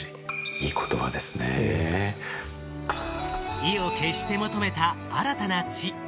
意を決して求めた新たな地。